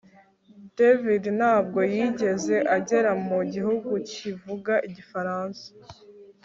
David ntabwo yigeze agera mu gihugu kivuga Igifaransa